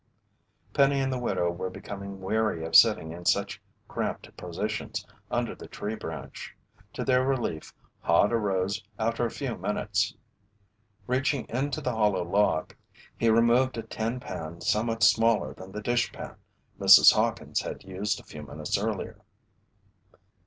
Penny and the widow were becoming weary of sitting in such cramped positions under the tree branch. To their relief, Hod arose after a few minutes. Reaching into the hollow log, he removed a tin pan somewhat smaller than the dishpan Mrs. Hawkins had used a few minutes earlier.